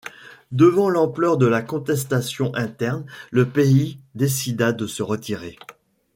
Devant l’ampleur de la contestation interne, le pays décida de se retirer.